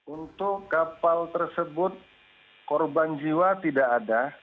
untuk kapal tersebut korban jiwa tidak ada